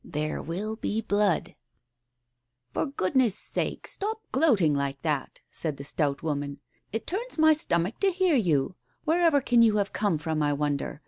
" There will be blood I "" For goodness' sake stop gloating like that I " said the stout woman. "It turns my stomach to hear you. Wherever can you have come from, I wonder?